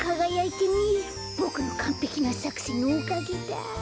ボクのかんぺきなさくせんのおかげだ！